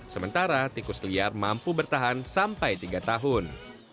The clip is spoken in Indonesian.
sementara tikus liar mampu bertahan sampai tiga tahun